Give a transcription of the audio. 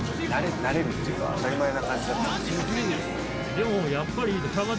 でも。